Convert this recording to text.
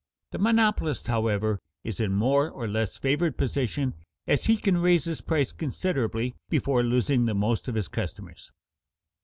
The monopolist, however, is in a more or less favored position, as he can raise his price considerably before losing the most of his customers.